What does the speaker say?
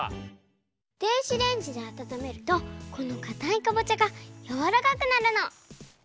でんしレンジであたためるとこのかたいかぼちゃがやわらかくなるの。